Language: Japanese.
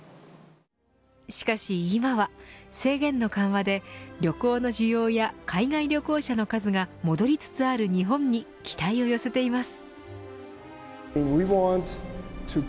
しかし、今は制限の緩和で旅行の需要や海外旅行者の数が戻りつつある日本に期待を寄せています。